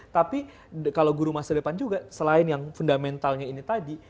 tapi kalau guru masa depan juga selain yang fundamentalnya ini tadi